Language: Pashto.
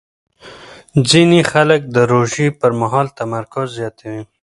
ځینې خلک د روژې پر مهال تمرکز زیاتوي.